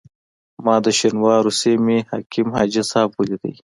ما د شینوارو سیمې حکیم حاجي صاحب ولیدی.